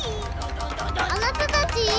あなたたち！